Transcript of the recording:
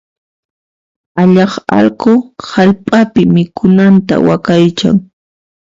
Allaq allqu hallp'api mikhunanta waqaychan.